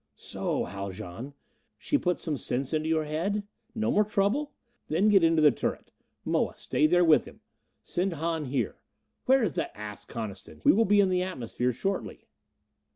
"So, Haljan she put some sense into your head? No more trouble? Then get into the turret. Moa, stay there with him. Send Hahn here. Where is that ass Coniston? We will be in the atmosphere shortly."